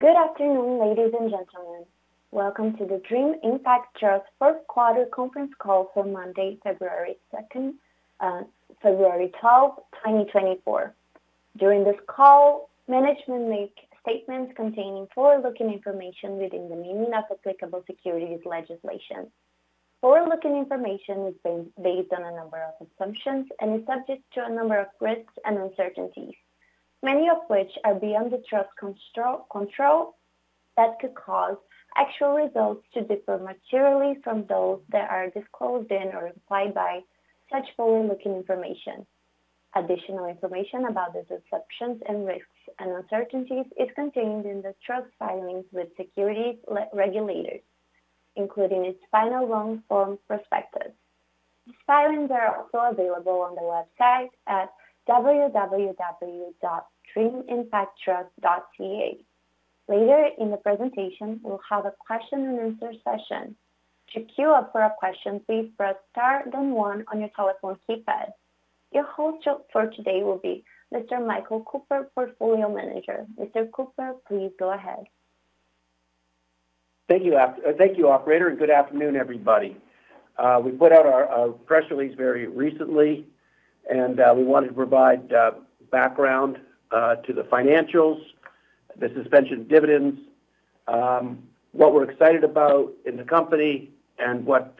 Good afternoon, ladies and gentlemen. Welcome to the Dream Impact Trust fourth quarter conference call for Monday, February 12th, 2024. During this call, management make statements containing forward-looking information within the meaning of applicable securities legislation. Forward-looking information is based on a number of assumptions and is subject to a number of risks and uncertainties, many of which are beyond the Trust control, that could cause actual results to differ materially from those that are disclosed in or implied by such forward-looking information. Additional information about these assumptions and risks and uncertainties is contained in the Trust filings with securities regulators, including its final long-form prospectus. These filings are also available on the website at www.dreamimpacttrust.ca. Later in the presentation, we'll have a question and answer session. To queue up for a question, please press star then one on your telephone keypad. Your host for today will be Mr. Michael Cooper, Portfolio Manager. Mr. Cooper, please go ahead. Thank you, operator, and good afternoon, everybody. We put out our press release very recently, and we wanted to provide background to the financials, the suspension of dividends, what we're excited about in the company, and what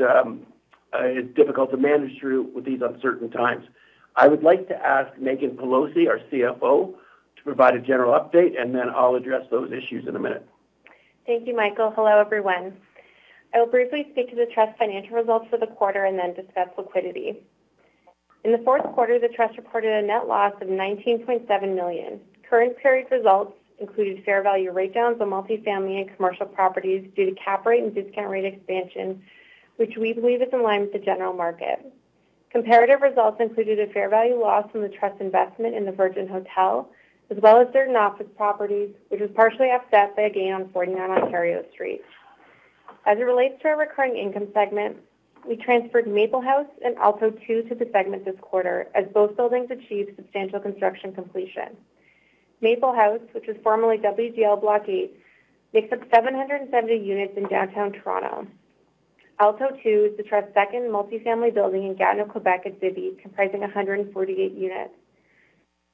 is difficult to manage through with these uncertain times. I would like to ask Meaghan Peloso, our CFO, to provide a general update, and then I'll address those issues in a minute. Thank you, Michael. Hello, everyone. I will briefly speak to the Trust's financial results for the quarter and then discuss liquidity. In the fourth quarter, the Trust reported a net loss of 19.7 million. Current period results included fair value write-downs on multifamily and commercial properties due to cap rate and discount rate expansion, which we believe is in line with the general market. Comparative results included a fair value loss from the Trust's investment in the Virgin Hotels, as well as certain office properties, which was partially offset by a gain on 49 Ontario Street. As it relates to our recurring income segment, we transferred Maple House and Alto II to the segment this quarter as both buildings achieved substantial construction completion. Maple House, which was formerly WDL Block 8, makes up 770 units in downtown Toronto. Alto II is the Trust's second multifamily building in Gatineau, Quebec at Zibi, comprising 148 units.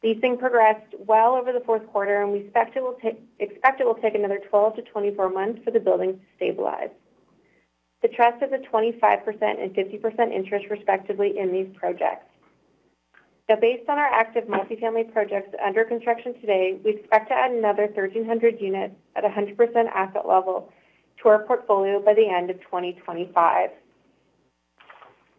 Leasing progressed well over the fourth quarter, and we expect it will take another 12-24 months for the buildings to stabilize. The Trust has a 25% and 50% interest, respectively, in these projects. Now, based on our active multifamily projects under construction today, we expect to add another 1,300 units at a 100% asset level to our portfolio by the end of 2025.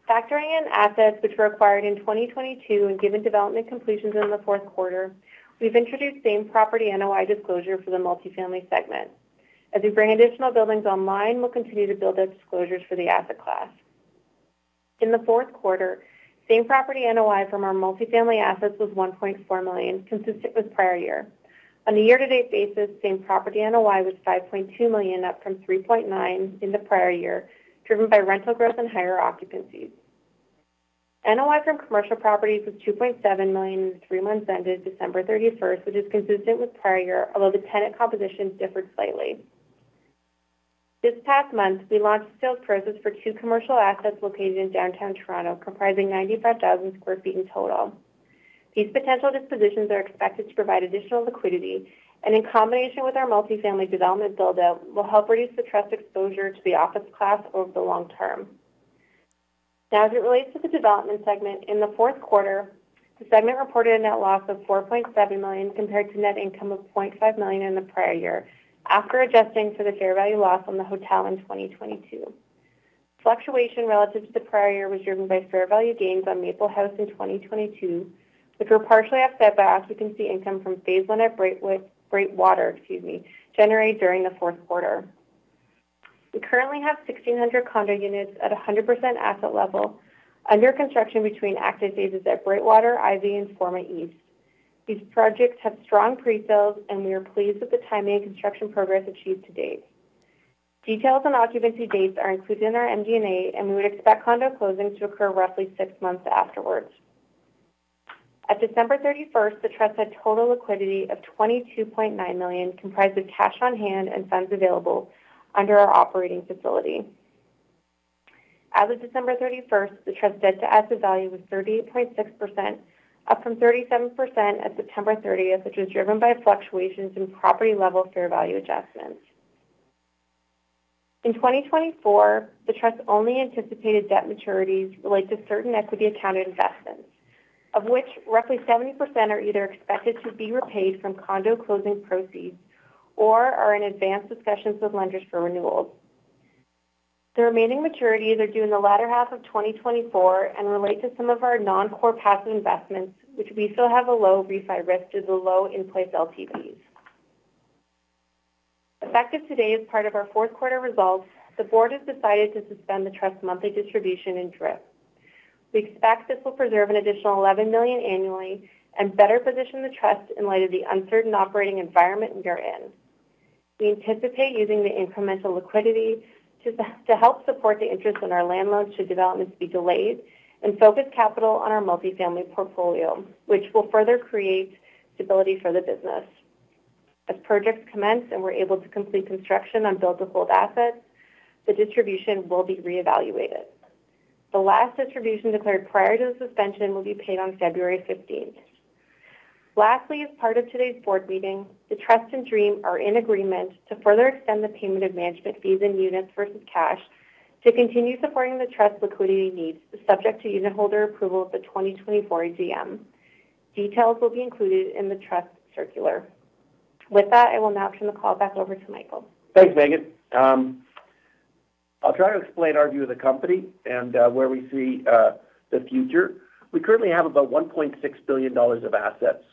Factoring in assets which were acquired in 2022 and given development completions in the fourth quarter, we've introduced same-property NOI disclosure for the multifamily segment. As we bring additional buildings online, we'll continue to build out disclosures for the asset class. In the fourth quarter, same property NOI from our multifamily assets was 1.4 million, consistent with prior year. On a year-to-date basis, same property NOI was 5.2 million, up from 3.9 million in the prior year, driven by rental growth and higher occupancies. NOI from commercial properties was 2.7 million in the three months ended December 31st, which is consistent with prior year, although the tenant composition differed slightly. This past month, we launched a sales process for two commercial assets located in downtown Toronto, comprising 95,000 sq ft in total. These potential dispositions are expected to provide additional liquidity, and in combination with our multifamily development build-out, will help reduce the Trust exposure to the office class over the long term. Now, as it relates to the development segment, in the fourth quarter, the segment reported a net loss of 4.7 million, compared to net income of 0.5 million in the prior year, after adjusting for the fair value loss on the hotel in 2022. Fluctuation relative to the prior year was driven by fair value gains on Maple House in 2022, which were partially offset by occupancy income from phase 1 at Brightwater, excuse me, generated during the fourth quarter. We currently have 1,600 condo units at a 100% asset level under construction between active phases at Brightwater, Ivy, and Forma East. These projects have strong pre-sales, and we are pleased with the timing and construction progress achieved to date. Details on occupancy dates are included in our MD&A, and we would expect condo closings to occur roughly six months afterwards. At December 31st, the Trust had total liquidity of 22.9 million, comprised of cash on hand and funds available under our operating facility. As of December 31st, the Trust's debt-to-asset value was 38.6%, up from 37% at September 30th, which was driven by fluctuations in property-level fair value adjustments. In 2024, the Trust only anticipated debt maturities relate to certain equity accounted investments, of which roughly 70% are either expected to be repaid from condo closing proceeds or are in advanced discussions with lenders for renewals. The remaining maturities are due in the latter half of 2024 and relate to some of our non-core passive investments, which we feel have a low refi risk due to the low in-place LTVs. Effective today, as part of our fourth quarter results, the board has decided to suspend the Trust's monthly distribution in DRIP. We expect this will preserve an additional 11 million annually and better position the Trust in light of the uncertain operating environment we are in. We anticipate using the incremental liquidity to help support the interest on our land loans should developments be delayed and focus capital on our multifamily portfolio, which will further create stability for the business. As projects commence and we're able to complete construction on build-to-hold assets, the distribution will be reevaluated. The last distribution declared prior to the suspension will be paid on February 15th. Lastly, as part of today's board meeting, the Trust and Dream are in agreement to further extend the payment of management fees and units versus cash to continue supporting the Trust's liquidity needs, subject to unitholder approval of the 2024 AGM. Details will be included in the Trust circular. With that, I will now turn the call back over to Michael. Thanks, Meaghan. I'll try to explain our view of the company and where we see the future. We currently have about 1.6 billion dollars of assets.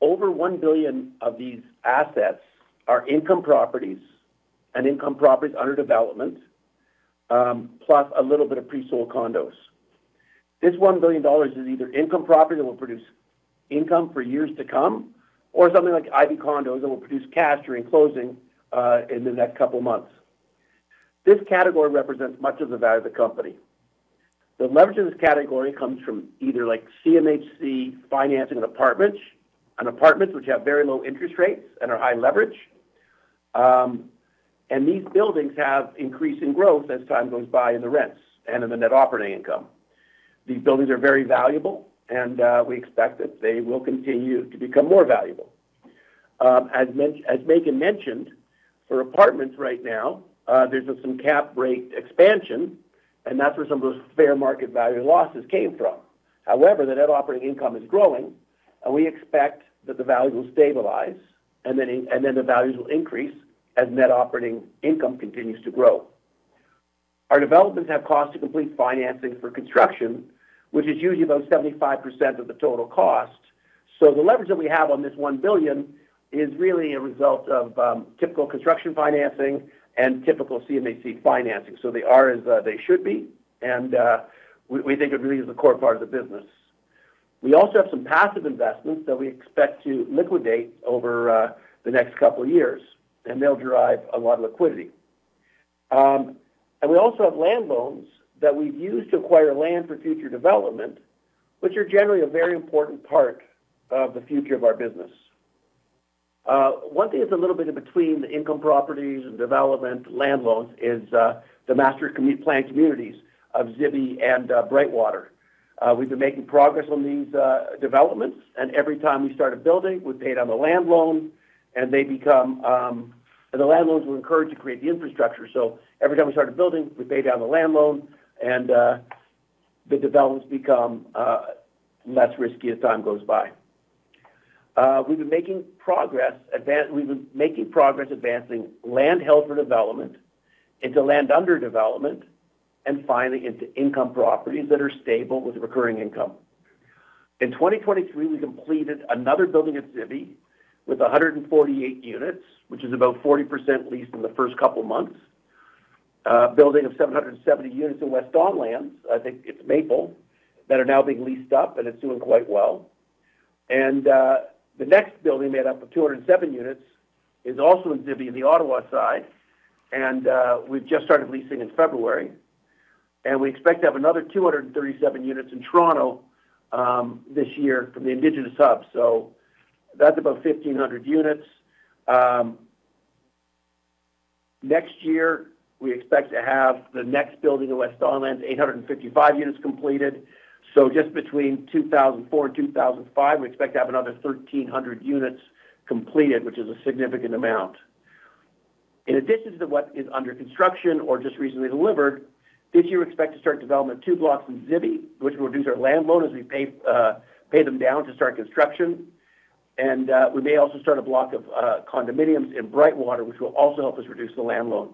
Over 1 billion of these assets are income properties and income properties under development, plus a little bit of pre-sold condos. This 1 billion dollars is either income property that will produce income for years to come, or something like Ivy Condos, that will produce cash during closing in the next couple of months. This category represents much of the value of the company. The leverage in this category comes from either, like, CMHC financing of apartments, and apartments which have very low interest rates and are high leverage. And these buildings have increasing growth as time goes by in the rents and in the net operating income. These buildings are very valuable, and we expect that they will continue to become more valuable. As Meaghan mentioned, for apartments right now, there's some cap rate expansion, and that's where some of those fair market value losses came from. However, the net operating income is growing, and we expect that the values will stabilize, and then, and then the values will increase as net operating income continues to grow. Our developments have cost to complete financing for construction, which is usually about 75% of the total cost. So the leverage that we have on this 1 billion is really a result of typical construction financing and typical CMHC financing. So they are as they should be, and we think it really is a core part of the business. We also have some passive investments that we expect to liquidate over the next couple of years, and they'll derive a lot of liquidity. And we also have land loans that we've used to acquire land for future development, which are generally a very important part of the future of our business. One thing that's a little bit in between the income properties and development land loans is the master planned communities of Zibi and Brightwater. We've been making progress on these developments, and every time we start a building, we pay down the land loan, and they become. And the land loans were encouraged to create the infrastructure. So every time we started building, we pay down the land loan, and the developments become less risky as time goes by. We've been making progress advancing land held for development into land under development and finally into income properties that are stable with recurring income. In 2023, we completed another building at Zibi with 148 units, which is about 40% leased in the first couple of months. A building of 770 units in West Don Lands, I think it's Maple, that are now being leased up, and it's doing quite well. And the next building, made up of 207 units, is also in Zibi, in the Ottawa side, and we've just started leasing in February. And we expect to have another 237 units in Toronto, this year from the Indigenous Hub. So that's about 1,500 units. Next year, we expect to have the next building in West Don Lands, 855 units completed. So just between 2024 and 2025, we expect to have another 1,300 units completed, which is a significant amount. In addition to what is under construction or just recently delivered, this year we expect to start development of two blocks in Zibi, which will reduce our land loan as we pay them down to start construction. We may also start a block of condominiums in Brightwater, which will also help us reduce the land loan.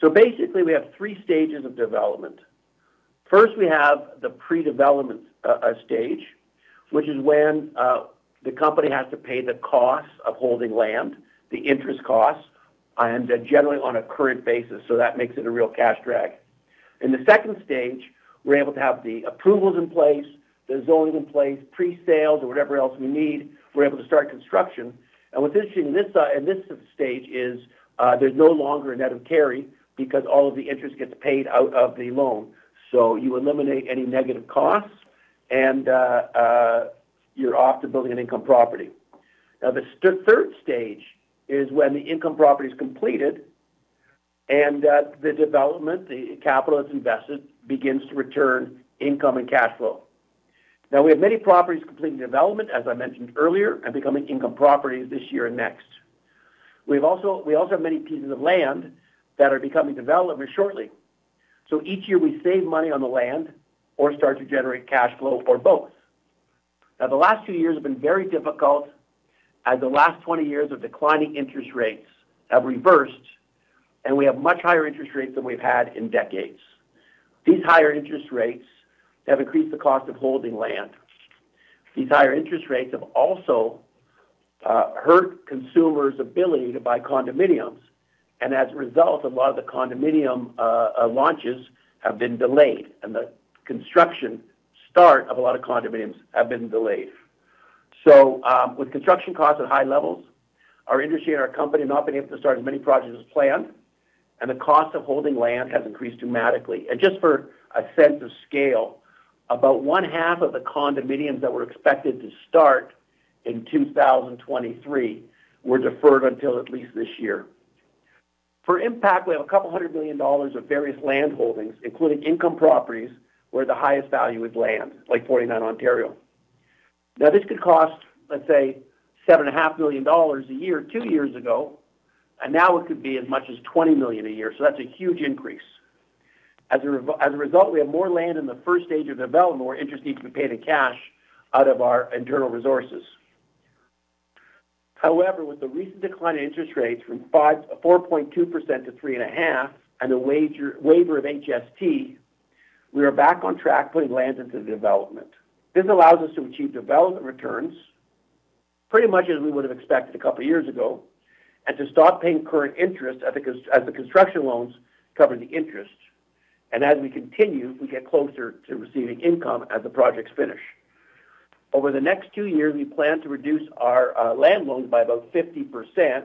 So basically, we have three stages of development. First, we have the pre-development stage, which is when the company has to pay the costs of holding land, the interest costs, and generally on a current basis, so that makes it a real cash drag. In the second stage, we're able to have the approvals in place, the zoning in place, pre-sales, or whatever else we need. We're able to start construction. What's interesting in this stage is, there's no longer a net of carry because all of the interest gets paid out of the loan. So you eliminate any negative costs, and you're off to building an income property. Now, the third stage is when the income property is completed and the development, the capital that's invested, begins to return income and cash flow. Now, we have many properties completing development, as I mentioned earlier, and becoming income properties this year and next. We also have many pieces of land that are becoming developments shortly. So each year we save money on the land or start to generate cash flow or both. Now, the last two years have been very difficult, as the last 20 years of declining interest rates have reversed, and we have much higher interest rates than we've had in decades. These higher interest rates have increased the cost of holding land. These higher interest rates have also hurt consumers' ability to buy condominiums, and as a result, a lot of the condominium launches have been delayed, and the construction start of a lot of condominiums have been delayed. So, with construction costs at high levels, our industry and our company have not been able to start as many projects as planned. And the cost of holding land has increased dramatically. Just for a sense of scale, about one half of the condominiums that were expected to start in 2023 were deferred until at least this year. For Impact, we have a couple 100 million dollars of various land holdings, including income properties, where the highest value is land, like 49 Ontario. Now, this could cost, let's say, 7.5 million dollars a year, two years ago, and now it could be as much as 20 million a year. So that's a huge increase. As a result, we have more land in the first stage of development, more interest needs to be paid in cash out of our internal resources. However, with the recent decline in interest rates from 4.2% to 3.5, and a waiver of HST, we are back on track, putting land into development. This allows us to achieve development returns pretty much as we would have expected a couple of years ago, and to stop paying current interest as the construction loans cover the interest. And as we continue, we get closer to receiving income as the projects finish. Over the next two years, we plan to reduce our land loans by about 50%,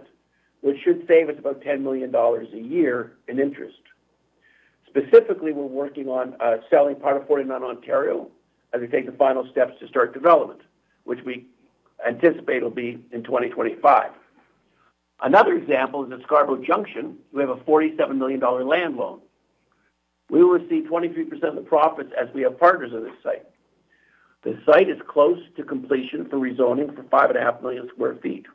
which should save us about 10 million dollars a year in interest. Specifically, we're working on selling part of 49 Ontario as we take the final steps to start development, which we anticipate will be in 2025. Another example is the Scarborough Junction. We have a 47 million dollar land loan. We will receive 23% of the profits as we have partners on this site. The site is close to completion for rezoning for 5.5 million sq ft.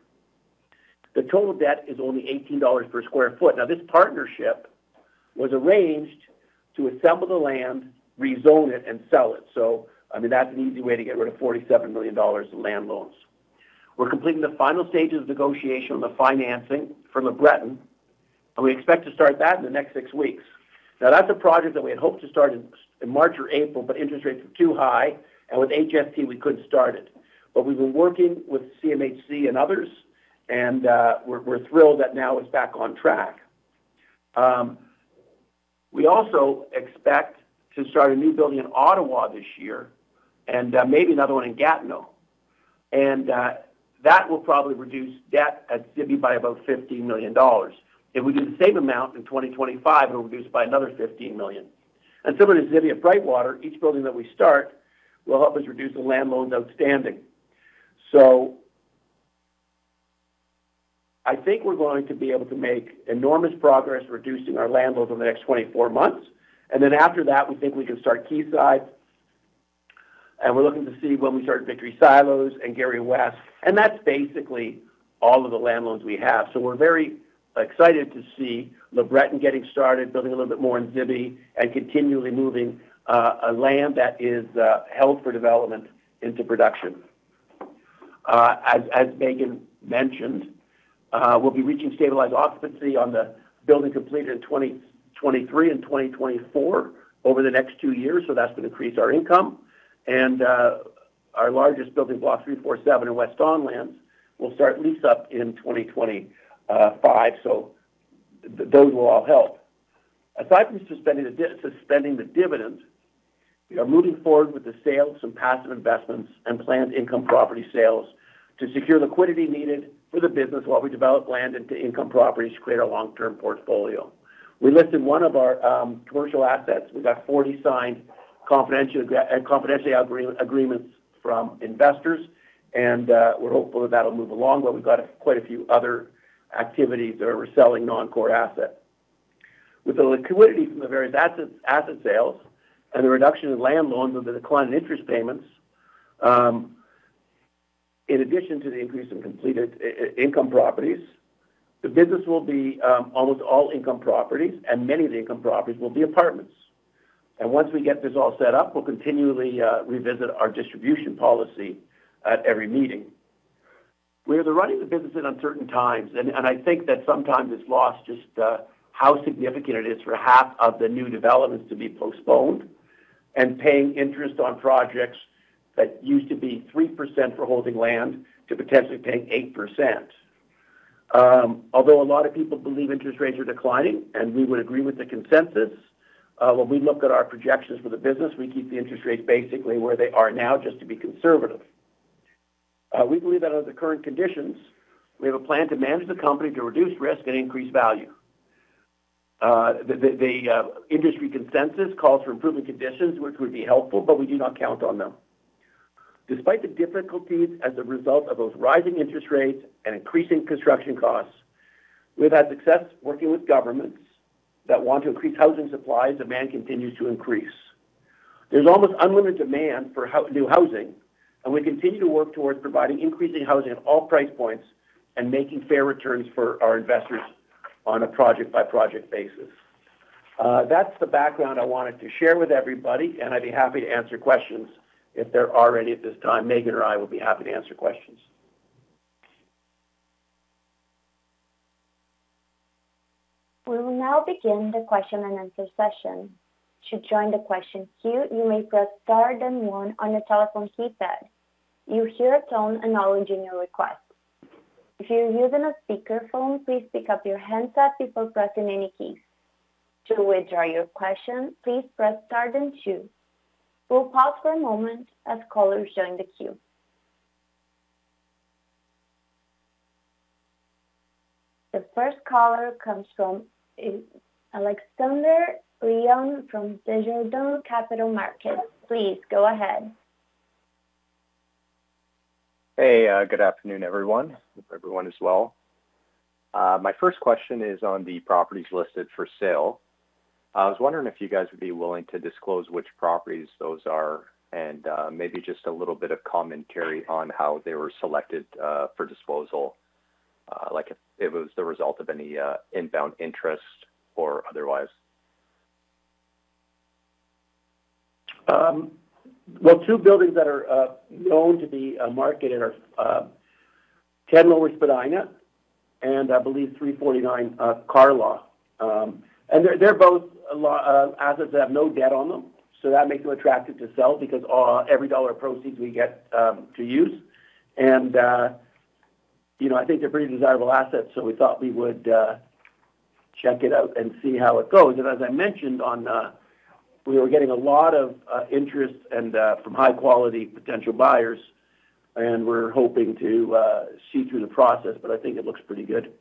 The total debt is only 18 dollars per sq ft. Now, this partnership was arranged to assemble the land, rezone it, and sell it. So I mean, that's an easy way to get rid of 47 million dollars in land loans. We're completing the final stages of negotiation on the financing for LeBreton, and we expect to start that in the next six weeks. Now, that's a project that we had hoped to start in March or April, but interest rates were too high, and with HST, we couldn't start it. But we've been working with CMHC and others, and we're thrilled that now it's back on track. We also expect to start a new building in Ottawa this year and maybe another one in Gatineau. And that will probably reduce debt at Zibi by about 15 million dollars. If we do the same amount in 2025, it'll reduce by another 15 million. And similar to Zibi at Brightwater, each building that we start will help us reduce the land loans outstanding. So I think we're going to be able to make enormous progress reducing our land loans over the next 24 months, and then after that, we think we can start Quayside, and we're looking to see when we start Victory Silos and Gerrard West, and that's basically all of the land loans we have. So we're very excited to see LeBreton getting started, building a little bit more in Zibi, and continually moving a land that is held for development into production. As, as Meaghan mentioned, we'll be reaching stabilized occupancy on the building completed in 2023 and 2024 over the next two years, so that's going to increase our income. And our largest building, Block 347 in West Don Lands, will start lease up in 2025. So those will all help. Aside from suspending the dividend, we are moving forward with the sale of some passive investments and planned income property sales to secure liquidity needed for the business while we develop land into income properties to create a long-term portfolio. We listed one of our commercial assets. We got 40 signed confidentiality agreements from investors, and we're hopeful that that'll move along, but we've got quite a few other activities that are reselling non-core asset. With the liquidity from the various assets, asset sales and the reduction in land loans with the decline in interest payments, in addition to the increase in completed income properties, the business will be almost all income properties, and many of the income properties will be apartments. Once we get this all set up, we'll continually revisit our distribution policy at every meeting. We are running the business in uncertain times, and I think that sometimes it's lost just how significant it is for half of the new developments to be postponed and paying interest on projects that used to be 3% for holding land to potentially paying 8%. Although a lot of people believe interest rates are declining, and we would agree with the consensus, when we look at our projections for the business, we keep the interest rates basically where they are now, just to be conservative. We believe that under the current conditions, we have a plan to manage the company to reduce risk and increase value. Industry consensus calls for improving conditions, which would be helpful, but we do not count on them. Despite the difficulties as a result of both rising interest rates and increasing construction costs, we've had success working with governments that want to increase housing supply as demand continues to increase. There's almost unlimited demand for new housing, and we continue to work towards providing increasing housing at all price points and making fair returns for our investors on a project-by-project basis. That's the background I wanted to share with everybody, and I'd be happy to answer questions if there are any at this time. Meaghan or I will be happy to answer questions. We will now begin the question and answer session. To join the question queue, you may press star then one on your telephone keypad. You'll hear a tone acknowledging your request. If you're using a speakerphone, please pick up your handset before pressing any keys. To withdraw your question, please press star then two. We'll pause for a moment as callers join the queue. The first caller comes from is Alexander Leon from Desjardins Capital Markets. Please go ahead. Hey, good afternoon, everyone. Hope everyone is well. My first question is on the properties listed for sale. I was wondering if you guys would be willing to disclose which properties those are, and, maybe just a little bit of commentary on how they were selected, for disposal. Like, if it was the result of any, inbound interest or otherwise? Well, two buildings that are known to be marketed are 10 Lower Spadina and I believe 349 Carlaw. They're both assets that have no debt on them, so that makes them attractive to sell because every dollar of proceeds we get to use. You know, I think they're pretty desirable assets, so we thought we would check it out and see how it goes. As I mentioned on, we were getting a lot of interest and from high-quality potential buyers, and we're hoping to see through the process, but I think it looks pretty good.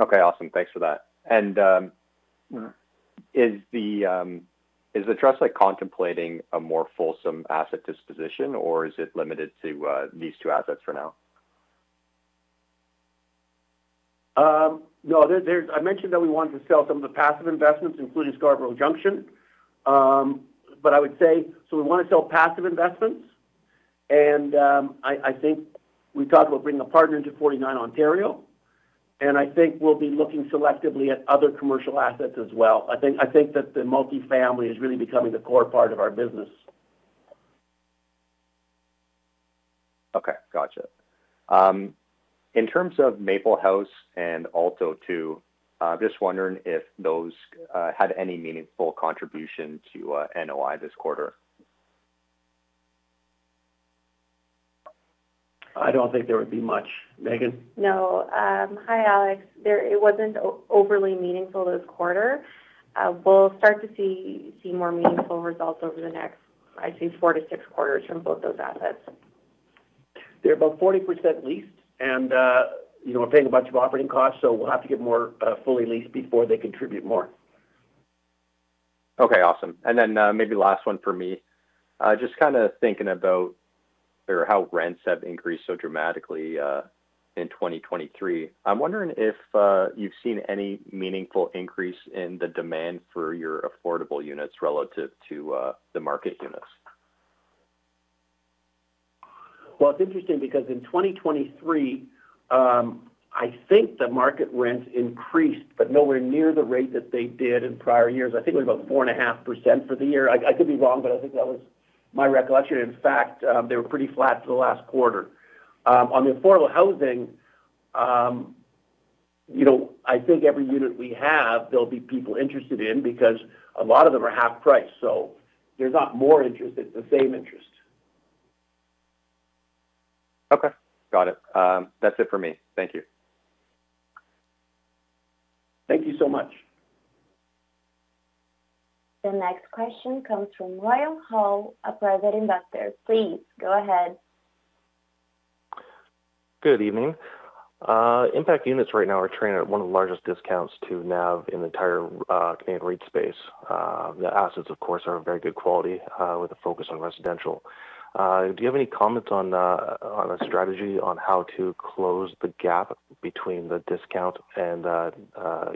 Okay, awesome. Thanks for that. And. Mm-hmm. Is the Trust, like, contemplating a more fulsome asset disposition, or is it limited to these two assets for now? No. There's... I mentioned that we wanted to sell some of the passive investments, including Scarborough Junction. But I would say, so we wanna sell passive investments, and I think we talked about bringing a partner into 49 Ontario, and I think we'll be looking selectively at other commercial assets as well. I think that the multifamily is really becoming the core part of our business. Okay, gotcha. In terms of Maple House and Alto II, I'm just wondering if those had any meaningful contribution to NOI this quarter? I don't think there would be much. Meaghan? No. Hi, Alex. It wasn't overly meaningful this quarter. We'll start to see more meaningful results over the next, I'd say, 4-6 quarters from both those assets. They're about 40% leased, and, you know, we're paying a bunch of operating costs, so we'll have to get more fully leased before they contribute more. Okay, awesome. And then, maybe last one for me. Just kinda thinking about how rents have increased so dramatically in 2023. I'm wondering if you've seen any meaningful increase in the demand for your affordable units relative to the market units? Well, it's interesting because in 2023, I think the market rents increased, but nowhere near the rate that they did in prior years. I think it was about 4.5% for the year. I could be wrong, but I think that was my recollection. In fact, they were pretty flat for the last quarter. On the affordable housing, you know, I think every unit we have, there'll be people interested in because a lot of them are half price, so there's not more interest. It's the same interest. Okay, got it. That's it for me. Thank you. Thank you so much. The next question comes from Ryan Hall, a Private Investor. Please go ahead. Good evening. Impact units right now are trading at one of the largest discounts to NAV in the entire Canadian REIT space. The assets, of course, are of very good quality with a focus on residential. Do you have any comments on a strategy on how to close the gap between the discount and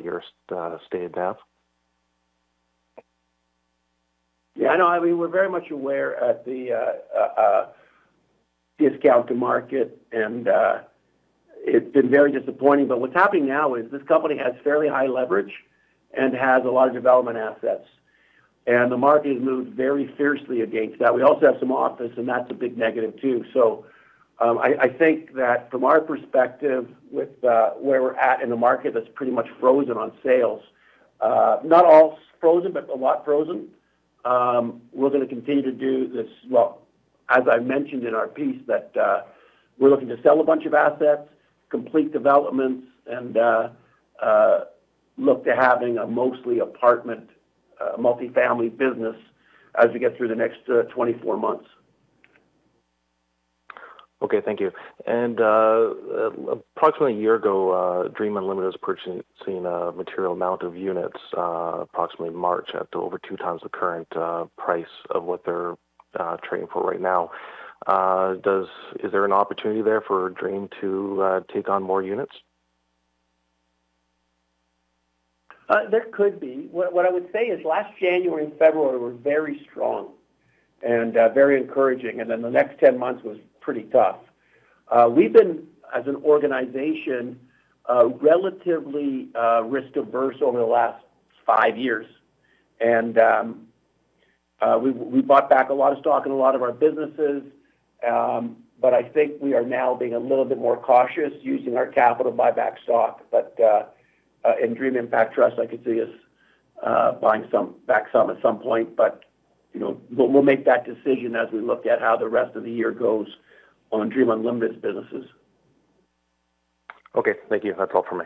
your stated NAV? Yeah, I know. I mean, we're very much aware at the discount to market, and it's been very disappointing. But what's happening now is this company has fairly high leverage and has a lot of development assets, and the market has moved very fiercely against that. We also have some office, and that's a big negative too. So, I think that from our perspective, with where we're at in the market, that's pretty much frozen on sales. Not all frozen, but a lot frozen. We're gonna continue to do this. Well, as I mentioned in our piece, that we're looking to sell a bunch of assets, complete developments, and look to having a mostly apartment multifamily business as we get through the next 24 months. Okay, thank you. And, approximately a year ago, Dream Unlimited was purchasing a material amount of units, approximately March, up to over two times the current price of what they're trading for right now. Is there an opportunity there for Dream to take on more units? There could be. What I would say is last January and February were very strong and, very encouraging, and then the next 10 months was pretty tough. We've been, as an organization, relatively, risk-averse over the last five years. And, we bought back a lot of stock in a lot of our businesses. But I think we are now being a little bit more cautious using our capital to buy back stock. But, in Dream Impact Trust, I could see us, buying some back some at some point, but, you know, we'll make that decision as we look at how the rest of the year goes on Dream Unlimited's businesses. Okay, thank you. That's all for me.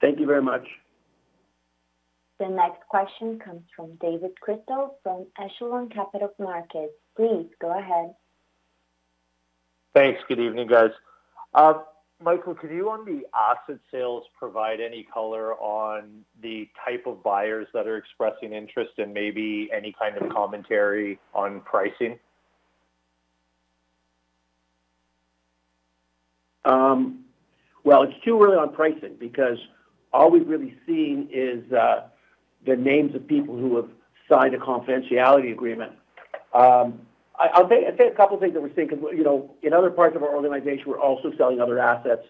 Thank you very much. The next question comes from David Chrystal from Echelon Capital Markets. Please go ahead. Thanks. Good evening, guys. Michael, could you, on the asset sales, provide any color on the type of buyers that are expressing interest and maybe any kind of commentary on pricing? Well, it's too early on pricing because all we've really seen is the names of people who have signed a confidentiality agreement. I'll tell you, I'll tell you a couple of things that we're seeing, because, you know, in other parts of our organization, we're also selling other assets.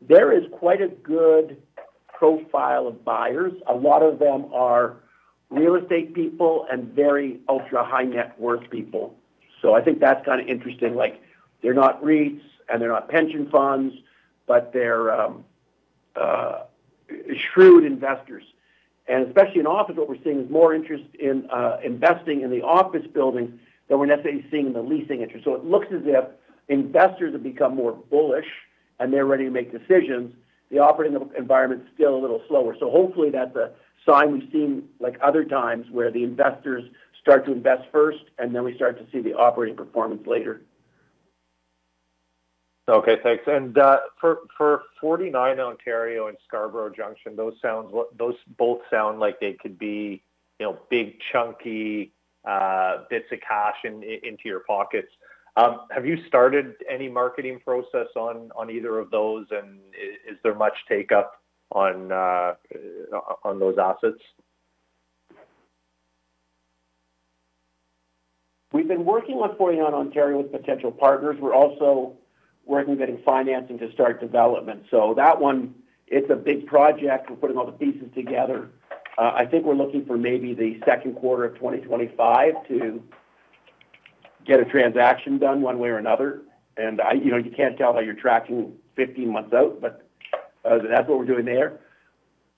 There is quite a good profile of buyers. A lot of them are real estate people and very ultra-high net worth people. So I think that's kind of interesting. Like, they're not REITs, and they're not pension funds, but they're shrewd investors. And especially in office, what we're seeing is more interest in investing in the office buildings than we're necessarily seeing in the leasing interest. So it looks as if investors have become more bullish, and they're ready to make decisions. The operating environment is still a little slower, so hopefully that's a sign we've seen, like other times, where the investors start to invest first, and then we start to see the operating performance later. Okay, thanks. And for 49 Ontario and Scarborough Junction, those both sound like they could be, you know, big, chunky bits of cash into your pockets. Have you started any marketing process on either of those, and is there much take up on those assets? We've been working on 49 Ontario with potential partners. We're also working on getting financing to start development. So that one, it's a big project. We're putting all the pieces together. I think we're looking for maybe the second quarter of 2025 to get a transaction done one way or another. And I... You know, you can't tell how you're tracking 15 months out, but, that's what we're doing there.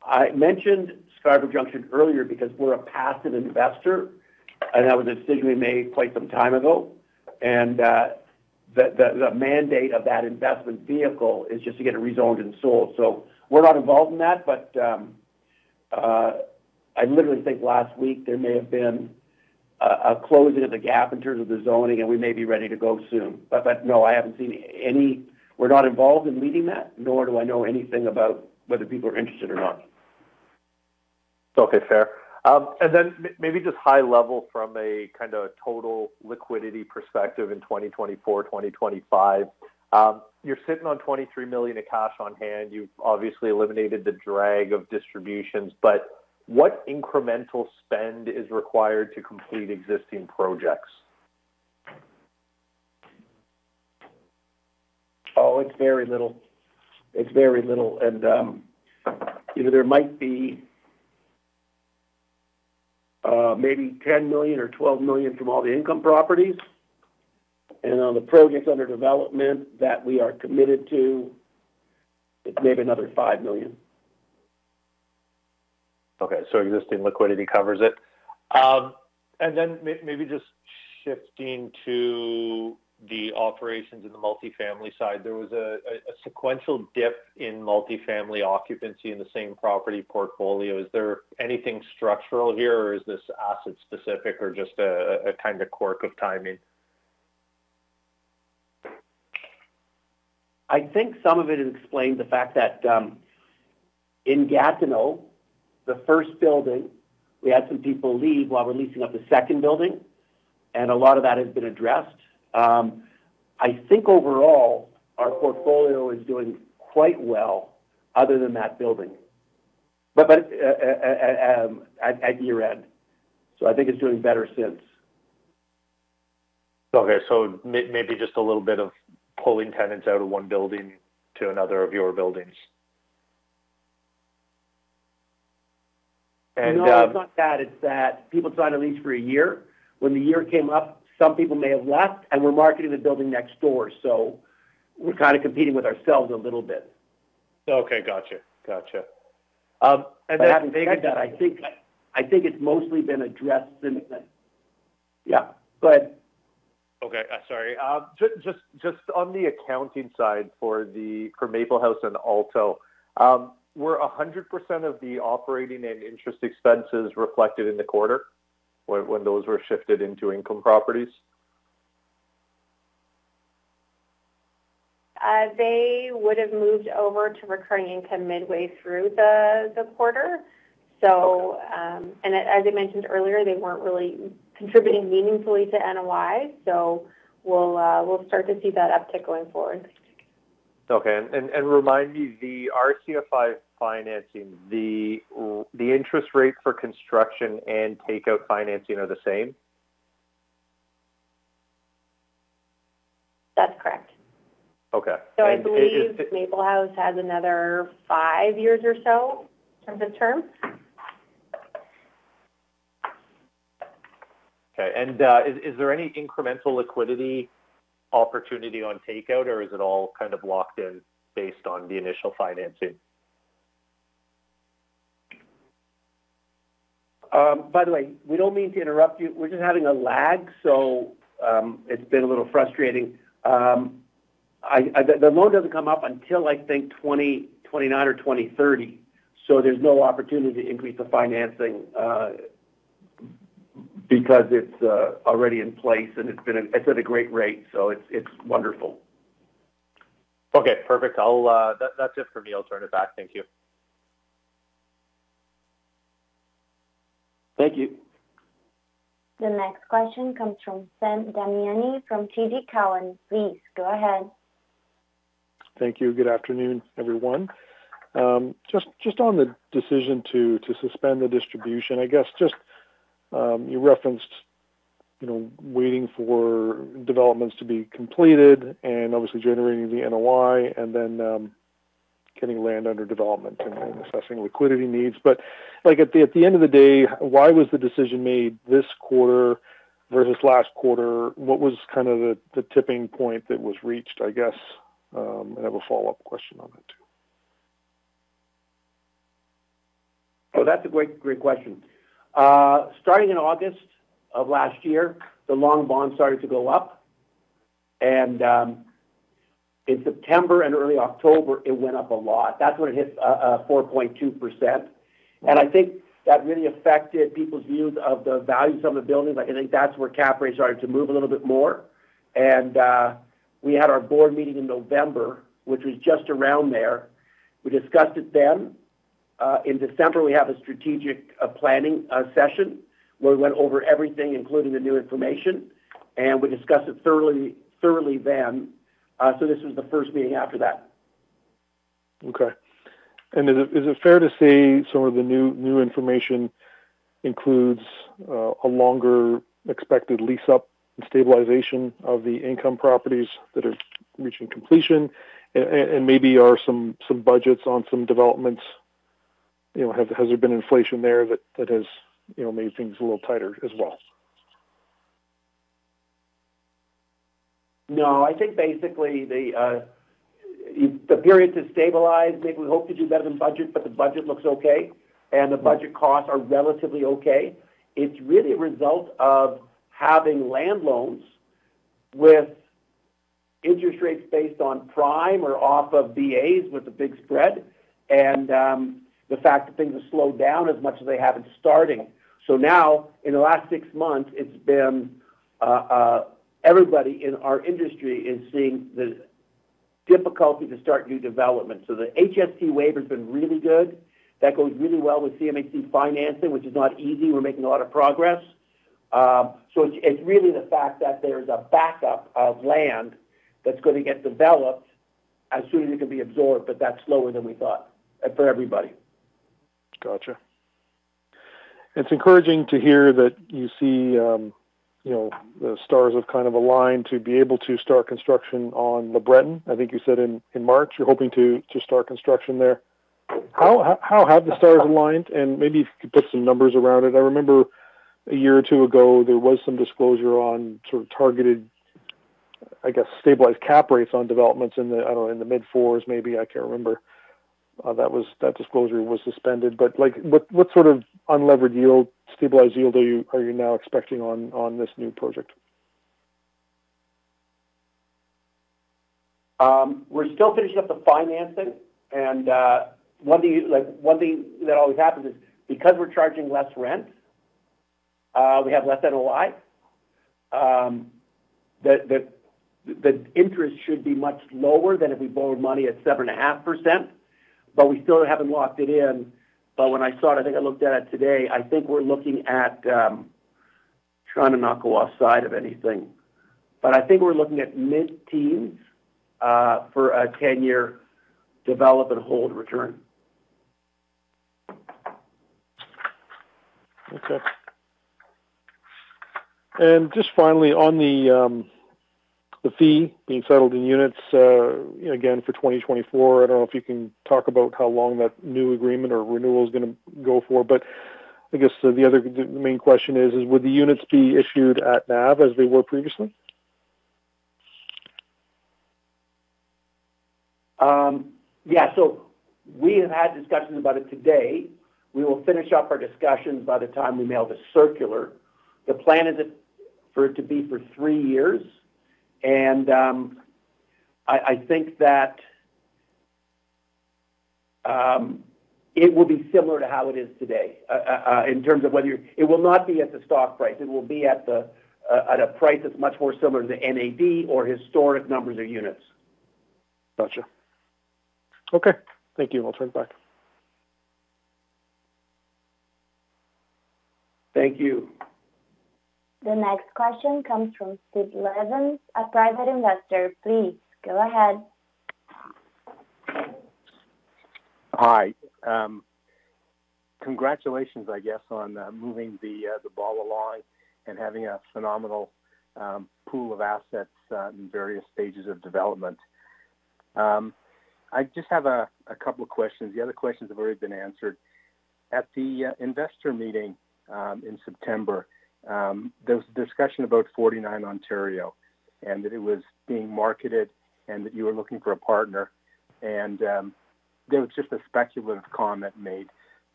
I mentioned Scarborough Junction earlier because we're a passive investor, and that was a decision we made quite some time ago. And, the mandate of that investment vehicle is just to get it rezoned and sold. So we're not involved in that, but, I literally think last week there may have been a closing of the gap in terms of the zoning, and we may be ready to go soon. But, but no, I haven't seen any. We're not involved in leading that, nor do I know anything about whether people are interested or not. Okay, fair. And then maybe just high level from a kind of total liquidity perspective in 2024, 2025. You're sitting on 23 million of cash on hand. You've obviously eliminated the drag of distributions, but what incremental spend is required to complete existing projects? Oh, it's very little. It's very little, and, you know, there might be, maybe 10 million or 12 million from all the income properties, and on the projects under development that we are committed to, it's maybe another 5 million. Okay, so existing liquidity covers it. And then maybe just shifting to the operations in the multifamily side. There was a sequential dip in multifamily occupancy in the same property portfolio. Is there anything structural here, or is this asset specific or just a kind of quirk of timing? I think some of it is explained the fact that, in Gatineau, the first building, we had some people leave while we're leasing up the second building, and a lot of that has been addressed. I think overall, our portfolio is doing quite well other than that building. But at year-end, so I think it's doing better since. Okay, so maybe just a little bit of pulling tenants out of one building to another of your buildings. No, it's not that. It's that people sign a lease for a year. When the year came up, some people may have left, and we're marketing the building next door, so we're kind of competing with ourselves a little bit. Okay, gotcha. Gotcha, and then- But having said that, I think, I think it's mostly been addressed since then. Yeah, go ahead. Okay, sorry. Just on the accounting side, for Maple House and Alto II, were 100% of the operating and interest expenses reflected in the quarter when those were shifted into income properties? They would have moved over to recurring income midway through the quarter. So, and as I mentioned earlier, they weren't really contributing meaningfully to NOI, so we'll start to see that uptick going forward. Okay. And, remind me, the RCFI financing, the interest rate for construction and takeout financing are the same? That's correct. Okay, and just- I believe Maple House has another five years or so of the term. Okay. Is there any incremental liquidity opportunity on takeout, or is it all kind of locked in based on the initial financing? By the way, we don't mean to interrupt you. We're just having a lag, so it's been a little frustrating. The loan doesn't come up until, I think, 2029 or 2030, so there's no opportunity to increase the financing because it's already in place, and it's at a great rate, so it's wonderful. Okay, perfect. That's it for me. I'll turn it back. Thank you. Thank you. The next question comes from Sam Damiani from TD Cowen. Please, go ahead. Thank you. Good afternoon, everyone. Just on the decision to suspend the distribution, I guess you referenced, you know, waiting for developments to be completed and obviously generating the NOI, and then getting land under development and assessing liquidity needs. But, like, at the end of the day, why was the decision made this quarter versus last quarter? What was kind of the tipping point that was reached, I guess? I have a follow-up question on it too. Oh, that's a great, great question. Starting in August of last year, the long bond started to go up, and in September and early October, it went up a lot. That's when it hit four point two percent. And I think that really affected people's views of the values of the buildings. I think that's where cap rates started to move a little bit more. And we had our board meeting in November, which was just around there. We discussed it then. In December, we had a strategic planning session, where we went over everything, including the new information, and we discussed it thoroughly then. So this was the first meeting after that. Okay. And is it fair to say some of the new information includes a longer expected lease-up and stabilization of the income properties that are reaching completion? And maybe are some budgets on some developments. You know, has there been inflation there that has, you know, made things a little tighter as well? No, I think basically, the period to stabilize, maybe we hope to do better than budget, but the budget looks okay, and the budget costs are relatively okay. It's really a result of having land loans with interest rates based on prime or off of BAs with a big spread, and the fact that things have slowed down as much as they have it starting. So now, in the last 6 months, it's been everybody in our industry is seeing the difficulty to start new development. So the HST waiver has been really good. That goes really well with CMHC financing, which is not easy. We're making a lot of progress. So it's, it's really the fact that there's a backup of land that's going to get developed as soon as it can be absorbed, but that's slower than we thought, for everybody. Gotcha. It's encouraging to hear that you see, you know, the stars have kind of aligned to be able to start construction on the LeBreton. I think you said in, in March, you're hoping to, to start construction there. How, how have the stars aligned? And maybe if you could put some numbers around it. I remember a year or two ago, there was some disclosure on sort of targeted, I guess, stabilized cap rates on developments in the, I don't know, in the mid-4s, maybe. I can't remember. That was-- that disclosure was suspended, but, like, what, what sort of unlevered yield, stabilized yield are you, are you now expecting on, on this new project? We're still finishing up the financing, and one thing, like, one thing that always happens is because we're charging less rent, we have less NOI. The interest should be much lower than if we borrowed money at 7.5%, but we still haven't locked it in. But when I saw it, I think I looked at it today, I think we're looking at trying to not go outside of anything. But I think we're looking at mid-teens for a 10-year develop and hold return. Okay. And just finally, on the, the fee being settled in units, again, for 2024, I don't know if you can talk about how long that new agreement or renewal is gonna go for, but I guess the other main question is: Would the units be issued at NAV as they were previously? Yeah. So we have had discussions about it today. We will finish up our discussions by the time we mail the circular. The plan is for it to be for three years, and I think that it will be similar to how it is today in terms of whether. It will not be at the stock price. It will be at a price that's much more similar to the NAV or historic numbers of units. Gotcha. Okay, thank you. I'll turn it back. Thank you. The next question comes from Steve Levens, a Private Investor. Please, go ahead. Hi. Congratulations, I guess, on moving the ball along and having a phenomenal pool of assets in various stages of development. I just have a couple of questions. The other questions have already been answered. At the investor meeting in September, there was discussion about 49 Ontario, and that it was being marketed, and that you were looking for a partner... And there was just a speculative comment made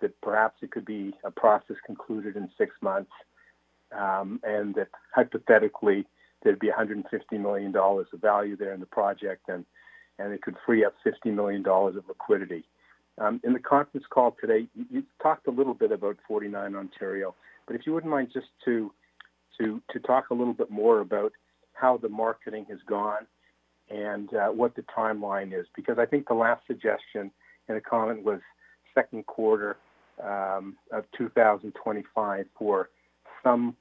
that perhaps it could be a process concluded in six months, and that hypothetically, there'd be 150 million dollars of value there in the project, and it could free up 50 million dollars of liquidity. In the conference call today, you talked a little bit about 49 Ontario, but if you wouldn't mind, just to talk a little bit more about how the marketing has gone and what the timeline is. Because I think the last suggestion in a comment was second quarter of 2025 for some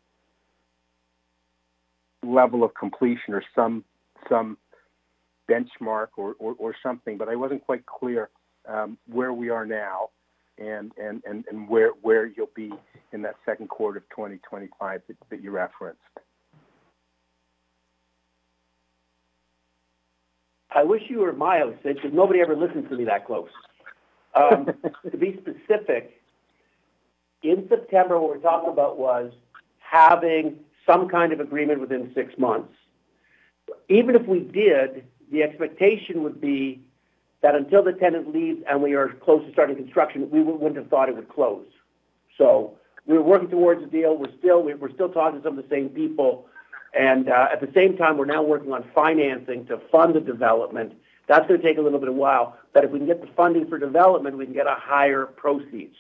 level of completion or some benchmark or something, but I wasn't quite clear where we are now and where you'll be in that second quarter of 2025 that you referenced. I wish you were my analyst, because nobody ever listened to me that close. To be specific, in September, what we're talking about was having some kind of agreement within six months. Even if we did, the expectation would be that until the tenant leaves and we are close to starting construction, we wouldn't have thought it would close. So we're working towards a deal. We're still, we're still talking to some of the same people, and at the same time, we're now working on financing to fund the development. That's going to take a little bit of while, but if we can get the funding for development, we can get a higher proceeds.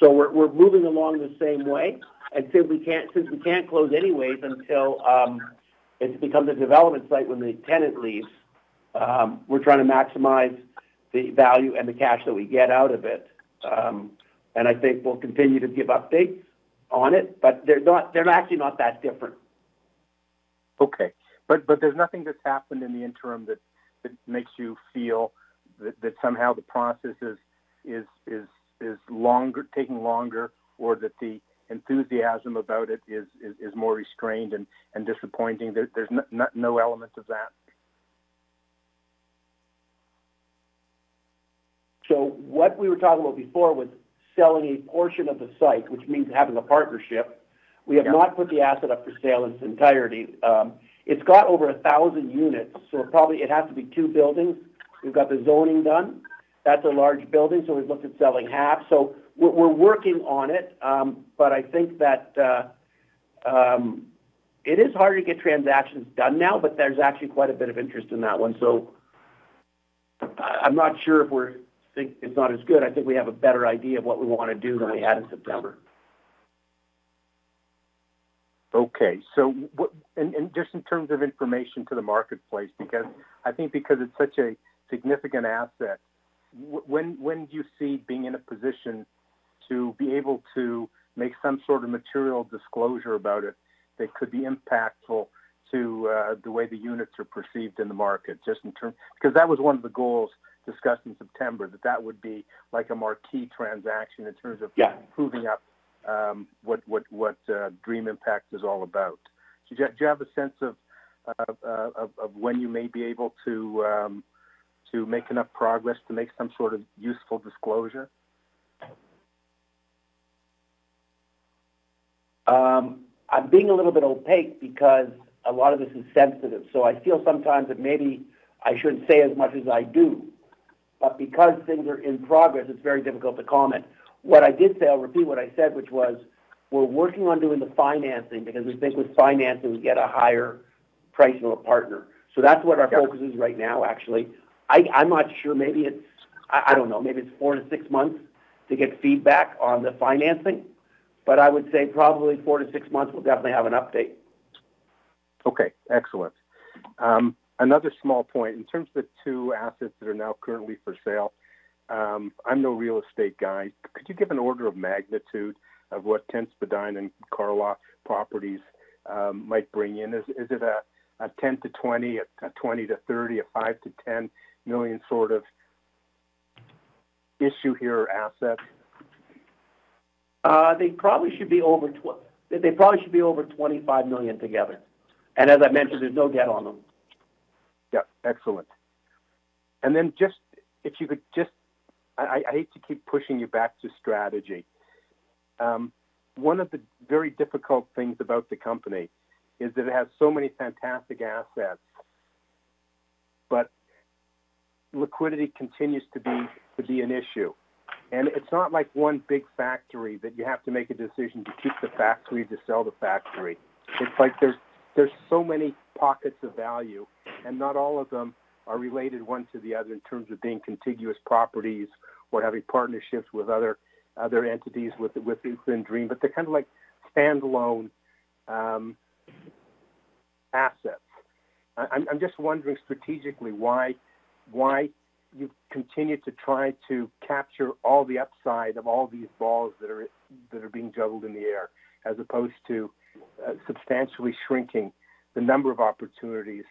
So we're, we're moving along the same way. And since we can't close anyways, until it becomes a development site when the tenant leaves, we're trying to maximize the value and the cash that we get out of it. And I think we'll continue to give updates on it, but they're not, they're actually not that different. Okay. But there's nothing that's happened in the interim that makes you feel that somehow the process is taking longer, or that the enthusiasm about it is more restrained and disappointing. There's no elements of that? What we were talking about before was selling a portion of the site, which means having a partnership. Yeah. We have not put the asset up for sale in its entirety. It's got over 1,000 units, so probably it has to be two buildings. We've got the zoning done. That's a large building, so we've looked at selling half. So we're working on it, but I think that it is harder to get transactions done now, but there's actually quite a bit of interest in that one. So I'm not sure if we're think it's not as good. I think we have a better idea of what we want to do than we had in September. Okay. So and just in terms of information to the marketplace, because I think because it's such a significant asset, when do you see being in a position to be able to make some sort of material disclosure about it that could be impactful to the way the units are perceived in the market? Just in terms because that was one of the goals discussed in September, that that would be like a marquee transaction in terms of proving up what Dream Impact is all about. Do you have a sense of when you may be able to make enough progress to make some sort of useful disclosure? I'm being a little bit opaque because a lot of this is sensitive, so I feel sometimes that maybe I shouldn't say as much as I do, but because things are in progress, it's very difficult to comment. What I did say, I'll repeat what I said, which was: We're working on doing the financing because we think with financing, we get a higher price from a partner. That's what our focus is right now, actually. I'm not sure. Maybe it's four to six months to get feedback on the financing, but I would say probably 4-6 months, we'll definitely have an update. Okay, excellent. Another small point. In terms of the 2 assets that are now currently for sale, I'm no real estate guy. Could you give an order of magnitude of what 10 Lower Spadina and 349 Carlaw properties might bring in? Is it a 10 million-20 million, a 20 million-30 million, a 5 million-10 million sort of issue here or asset? They probably should be over 25 million together. And as I mentioned, there's no debt on them. Yeah. Excellent. Then just if you could just, I hate to keep pushing you back to strategy. One of the very difficult things about the company is that it has so many fantastic assets, but liquidity continues to be an issue. And it's not like one big factory that you have to make a decision to keep the factory, or to sell the factory. It's like there's so many pockets of value, and not all of them are related one to the other in terms of being contiguous properties or having partnerships with other entities, with the Dream. But they're kind of like standalone assets. I'm just wondering strategically, why you continue to try to capture all the upside of all these balls that are being juggled in the air, as opposed to substantially shrinking the number of opportunities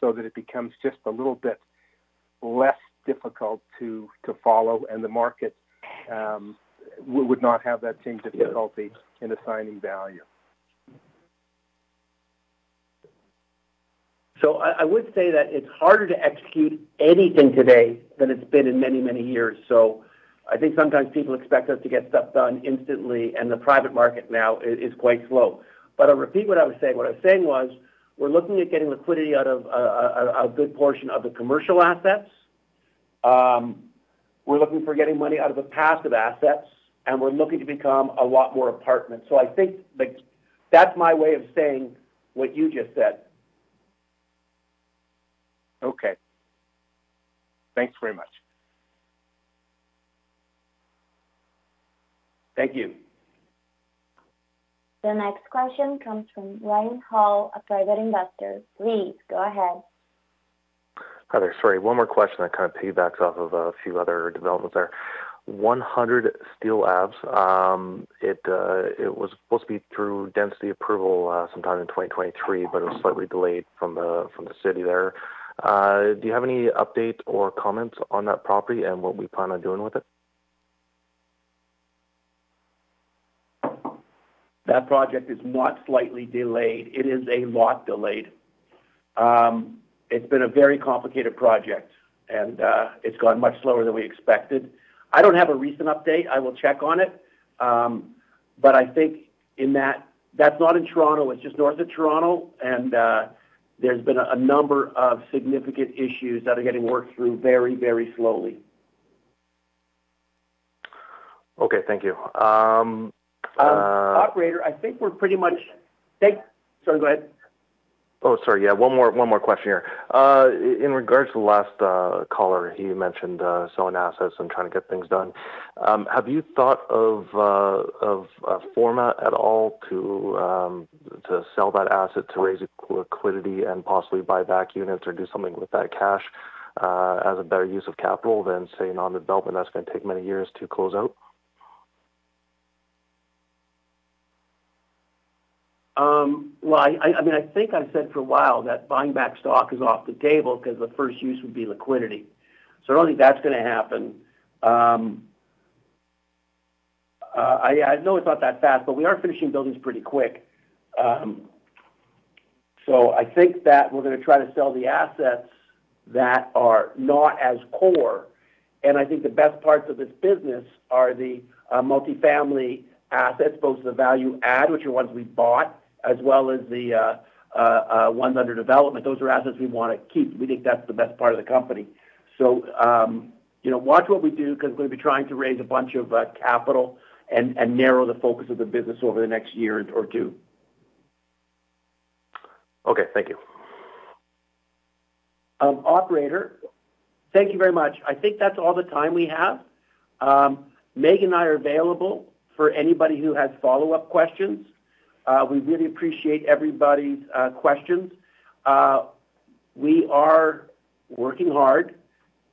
so that it becomes just a little bit less difficult to follow, and the market would not have that same difficulty in assigning value? So I would say that it's harder to execute anything today than it's been in many, many years. I think sometimes people expect us to get stuff done instantly, and the private market now is quite slow. But I'll repeat what I was saying. What I was saying was, we're looking at getting liquidity out of a good portion of the commercial assets. We're looking for getting money out of the passive assets, and we're looking to become a lot more apartment. So I think, like, that's my way of saying what you just said. Okay. Thanks very much. Thank you. The next question comes from Ryan Hall, a Private Investor. Please go ahead. Hi there. Sorry, one more question that kind of piggybacks off of a few other developments there. 100 Steeles Avenue West, it was supposed to be through density approval sometime in 2023, but it was slightly delayed from the city there. Do you have any update or comments on that property and what we plan on doing with it? That project is not slightly delayed. It is a lot delayed. It's been a very complicated project, and it's gone much slower than we expected. I don't have a recent update. I will check on it. But I think in that that's not in Toronto, it's just north of Toronto, and there's been a number of significant issues that are getting worked through very, very slowly. Okay, thank you. Operator, I think we're pretty much... Sorry, go ahead. Oh, sorry. Yeah, one more, one more question here. In regards to the last caller, he mentioned selling assets and trying to get things done. Have you thought of a format at all to sell that asset, to raise liquidity and possibly buy back units or do something with that cash as a better use of capital than, say, an on development that's going to take many years to close out? Well, I mean, I think I've said for a while that buying back stock is off the table because the first use would be liquidity. So I don't think that's going to happen. I know it's not that fast, but we are finishing buildings pretty quick. So I think that we're going to try to sell the assets that are not as core, and I think the best parts of this business are the multifamily assets, both the value add, which are ones we bought, as well as the ones under development. Those are assets we want to keep. We think that's the best part of the company. So, you know, watch what we do, because we'll be trying to raise a bunch of capital and narrow the focus of the business over the next year or two. Okay. Thank you. Operator, thank you very much. I think that's all the time we have. Meaghan and I are available for anybody who has follow-up questions. We really appreciate everybody's questions. We are working hard,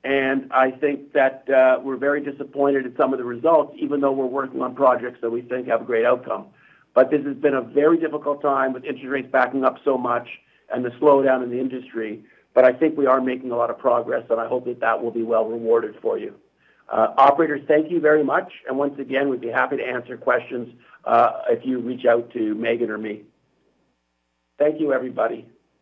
and I think that we're very disappointed at some of the results, even though we're working on projects that we think have a great outcome. But this has been a very difficult time with interest rates backing up so much and the slowdown in the industry. But I think we are making a lot of progress, and I hope that that will be well rewarded for you. Operator, thank you very much, and once again, we'd be happy to answer questions if you reach out to Meaghan or me. Thank you, everybody.